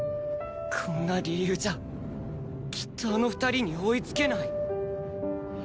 こんな理由じゃきっとあの２人に追いつけない